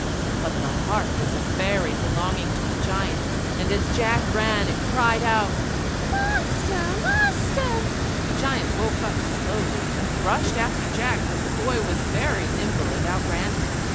But the harp was a fairy belonging to the giant, and as Jack ran, it cried out, "Master! Master!" The giant woke up slowly and rushed after Jack, but the boy was very nimble and outran him.